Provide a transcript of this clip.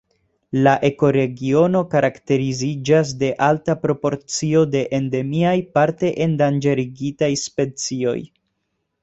La ekoregiono karakteriziĝas de alta proporcio de endemiaj, parte endanĝerigitaj specioj.